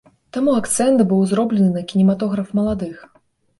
Таму акцэнт быў зроблены на кінематограф маладых.